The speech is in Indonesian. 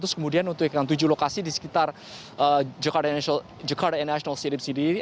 terus kemudian untuk yang tujuh lokasi di sekitar jakarta international city miss sendiri